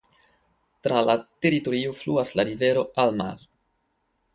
Tra la teritorio fluas la rivero Almar.